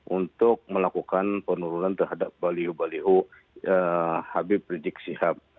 untuk melakukan penurunan terhadap baliho baliho habib rizik sihab